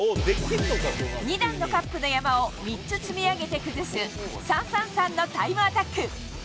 ２段のカップの山を３つ積み上げて崩す、３・３・３のタイムアタック。